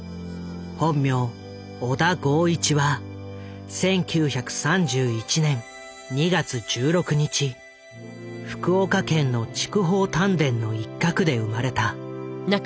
本名小田剛一は１９３１年２月１６日福岡県の筑豊炭田の一角で生まれた。